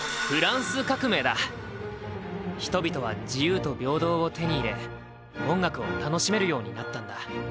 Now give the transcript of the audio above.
人々は自由と平等を手に入れ音楽を楽しめるようになったんだ。